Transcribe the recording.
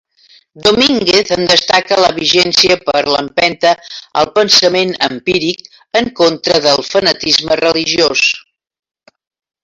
Domínguez en destaca la vigència per l'empenta al pensament empíric, en contra del fanatisme religiós.